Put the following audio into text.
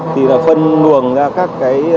thì phân nguồn ra các